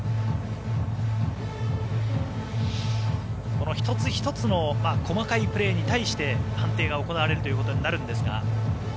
この１つ１つの細かいプレーに対して判定が行われるということになるんですが。